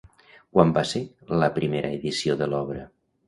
Quan va ser la primera edició de l'obra?